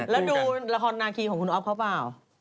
แล้วดูละครนาคีของคุณอ๊อฟเขาเปล่า